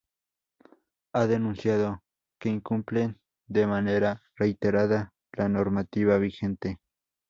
ha denunciado que incumplen de manera reiterada la normativa vigente